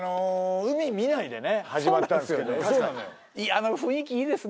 海見ないでね始まったんですけどそうなんですよ